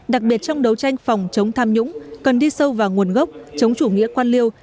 đặc biệt trong đấu tranh phòng chống tham nhũng cần đi sâu vào nguồn gốc chống chủ nghĩa quan liêu